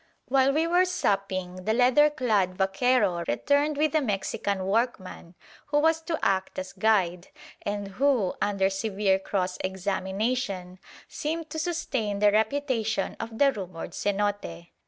While we were supping the leather clad vaquero returned with the Mexican workman who was to act as guide, and who, under severe cross examination, seemed to sustain the reputation of the rumoured cenote.